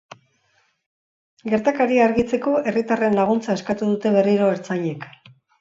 Gertakaria argitzeko herritarren laguntza eskatu dute berriro ertzainek.